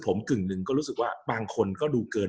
กับการสตรีมเมอร์หรือการทำอะไรอย่างเงี้ย